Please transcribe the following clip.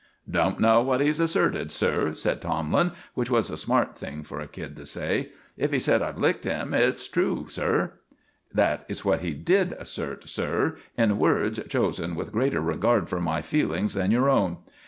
"Don't know what he's asserted, sir," said Tomlin, which was a smart thing for a kid to say. "If he said I've licked him, it's true, sir." "That is what he did assert, sir, in words chosen with greater regard for my feelings than your own.